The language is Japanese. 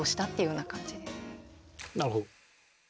なるほど。